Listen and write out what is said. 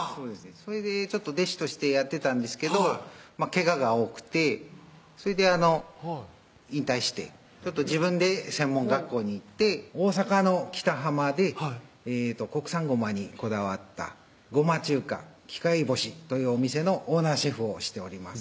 それで弟子としてやってたんですけどけがが多くてそれで引退して自分で専門学校に行って大阪の北浜で国産ごまにこだわったごま中華喜界星というお店のオーナーシェフをしております